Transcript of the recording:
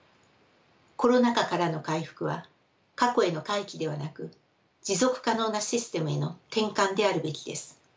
コロナ禍からの回復は過去への回帰ではなく持続可能なシステムへの転換であるべきです。